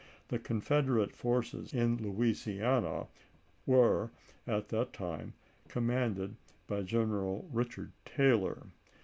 The Confederate forces in Louisiana were, at that time, commanded by General Richard Taylor.